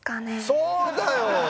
そうだよ